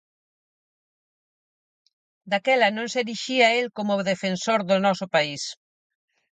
Daquela non se erixía el como defensor do noso país.